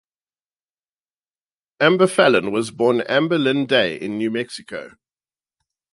Amber Fallon was born Amber Lynn Day in New Mexico.